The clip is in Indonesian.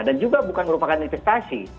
dan juga bukan merupakan investasi